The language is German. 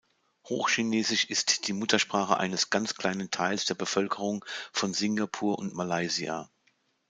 Hochchinesisch ist die Muttersprache eines ganz kleinen Teils der Bevölkerung von Singapur und Malaysia.